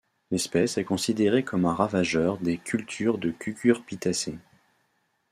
L'espèce est considérée comme un ravageur des cultures de Cucurbitacées.